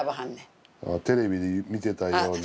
テレビで見てたような。